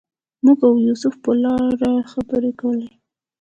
موږ او یوسف په ولاړه خبرې کولې.